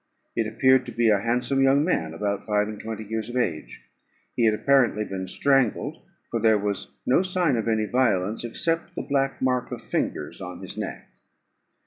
It appeared to be a handsome young man, about five and twenty years of age. He had apparently been strangled; for there was no sign of any violence, except the black mark of fingers on his neck.